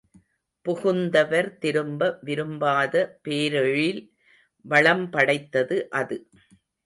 புகுந்தவர் திரும்ப விரும்பாத பேரெழில் வளம்படைத்தது அது.